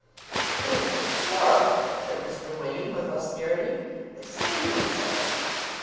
"It is deplorable," said Mr. Wain, with austerity. "Exceedingly so."